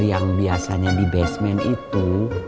yang biasanya di basement itu